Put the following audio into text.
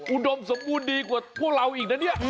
อุดมสมบูรณ์ดีกว่าพวกเราอีกนะเนี่ย